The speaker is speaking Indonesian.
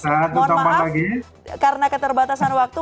mohon maaf karena keterbatasan waktu